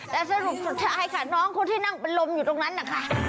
แต่สรุปสุดท้ายค่ะน้องคนที่นั่งเป็นลมอยู่ตรงนั้นนะคะ